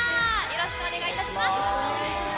よろしくお願いします。